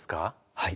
はい。